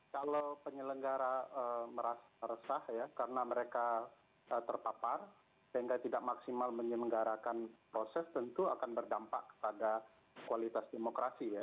kalau penyelenggara merasa resah ya karena mereka terpapar sehingga tidak maksimal menyelenggarakan proses tentu akan berdampak pada kualitas demokrasi ya